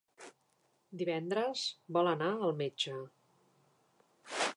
Divendres vol anar al metge.